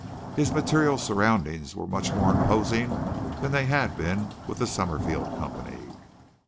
His material surroundings were much more imposing than they had been with the Summerfield Company.